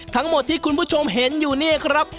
ทั้งหมดที่คุณผู้ชมเห็นอยู่เนี่ยครับ